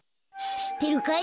しってるかい？